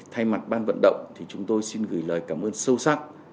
thay mặt ban vận động thì chúng tôi xin gửi lời cảm ơn sâu sắc